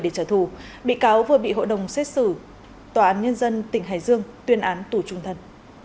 để trả thù bị cáo vừa bị hội đồng xét xử tòa án nhân dân tỉnh hải dương tuyên án tù trung thân